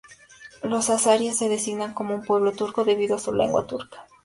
Los azeríes se designan como un pueblo turco, debido a su lengua turca.